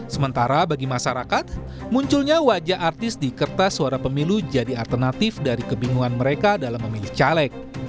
sementara bagi masyarakat munculnya wajah artis di kertas suara pemilu jadi alternatif dari kebingungan mereka dalam memilih caleg